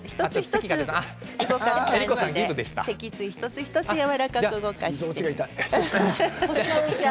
脊椎一つ一つやわらかく動かして。